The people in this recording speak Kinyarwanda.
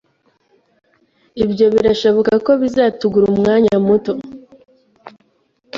Ibyo birashoboka ko bizatugura umwanya muto.